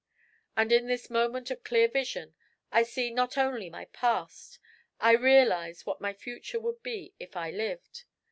And in this moment of clear vision I see not only my past, I realise what my future would be if I lived.